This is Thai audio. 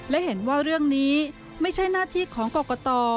และเห็นว่าเรื่องนี้ไม่ใช่หน้าที่ของกรกต